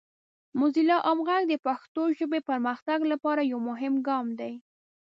موزیلا عام غږ د پښتو ژبې پرمختګ لپاره یو مهم ګام دی.